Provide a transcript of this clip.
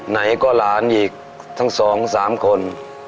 ไหนก็หลานอีกทั้ง๒๓คน